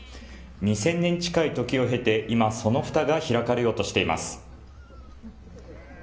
２０００年近い時を経て、今、そのふたが開かれようとしています。